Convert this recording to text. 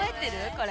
これ。